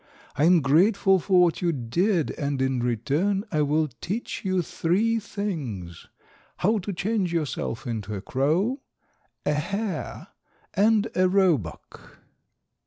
I am grateful for what you did, and in return I will teach you three things: how to change yourself into a crow, a hare, and a roebuck."